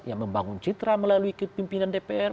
ya membangun citra melalui pimpinan dpr